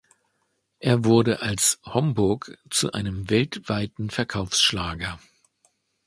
Er wurde als „Homburg“ zu einem weltweiten Verkaufsschlager.